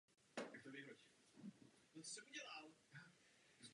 Komise dnes nemá k tomuto konkrétnímu tématu dostatek informací.